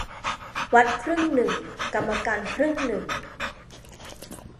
วัดครึ่งหนึ่งกรรมการครึ่งหนึ่ง